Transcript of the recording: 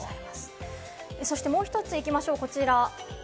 そしてもう１つ行きましょう、こちら。